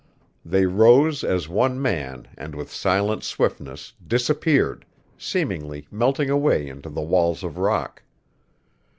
They rose as one man and with silent swiftness disappeared, seemingly melting away into the walls of rock.